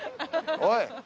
おい！